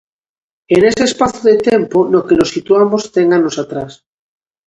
É nese espazo de tempo no que nos situamos: cen anos atrás.